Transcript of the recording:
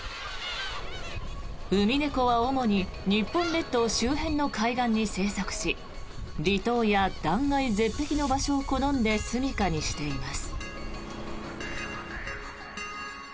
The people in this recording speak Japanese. ウミネコは主に日本列島周辺の海岸に生息し離島や断崖絶壁の場所を好んですみかにしています。